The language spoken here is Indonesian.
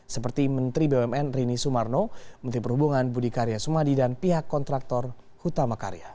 seperti menteri bumn rini sumarno menteri perhubungan budi karya sumadi dan pihak kontraktor hutama karya